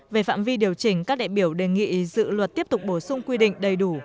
về phạm vi điều chỉnh các đại biểu đề nghị dự luật tiếp tục bổ sung quy định đầy đủ